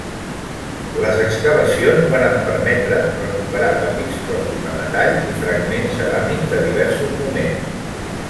Les excavacions varen permetre recuperar petits trossos de metalls i fragments ceràmics de diversos moments.